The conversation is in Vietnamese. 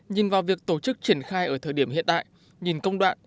nhìn vào việc tổ chức triển khai ở thời điểm hiện tại nhìn công đoạn